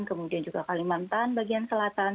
kemudian juga kalimantan bagian selatan